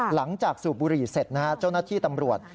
สูบบุหรี่เสร็จนะฮะเจ้าหน้าที่ตำรวจ